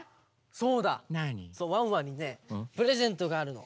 そうワンワンにねプレゼントがあるの。